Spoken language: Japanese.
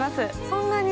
そんなに？